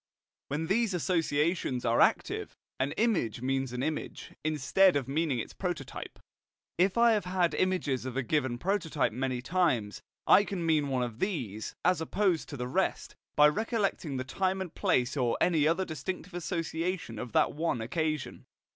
When these associations are active, an image means an image, instead of meaning its prototype. If I have had images of a given prototype many times, I can mean one of these, as opposed to the rest, by recollecting the time and place or any other distinctive association of that one occasion.